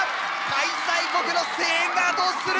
開催国の声援が後押しする！